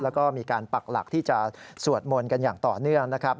แล้วก็มีการปักหลักที่จะสวดมนต์กันอย่างต่อเนื่องนะครับ